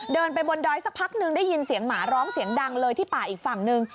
เดินไปบนดอยสักพักนึงได้ยินเสียงหมาร้องเสียงดังเลยที่ป่าอีกฝั่งหนึ่ง